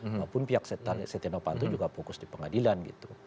maupun pihak stenovanto juga fokus di pengadilan